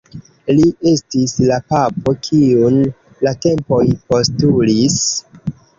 Li estis la papo kiun la tempoj postulis.